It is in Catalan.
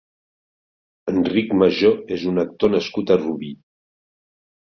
Enric Majó és un actor nascut a Rubí.